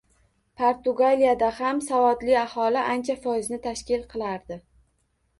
Portugaliyada ham savodli aholi ancha foizni tashkil qilardi.